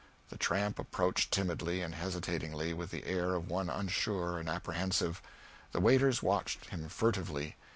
The tramp approached timidly and hesitatingly, with the air of one unsure and apprehensive. The waiters watched him furtively.